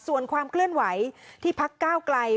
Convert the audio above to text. ส่วนความเคลื่อนไหวที่พักก้าวไกล